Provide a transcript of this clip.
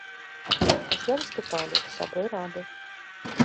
Пасля выступалі сябры рады.